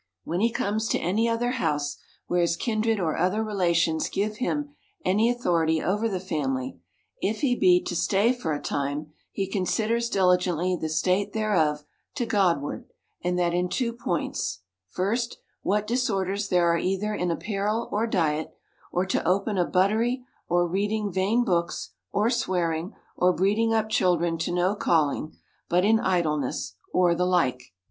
When he comes to any other house, where his kindred or other relations give him any authority over the family, if he be to stay for a time, he considers diligently the state thereof to God ward ; and that in two points : First, what disorders there are either in apparel, or diet, or too open a buttery, or reading vain books, or swearing, or breeding up children to no calling, but in idleness, or the like.